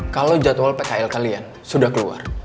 kalau jadwal pkl kalian sudah keluar